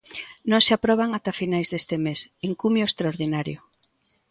Non se aproban ata finais deste mes, en cumio extraordinario.